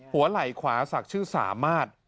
หัวไหลขวาสักชื่อสามารท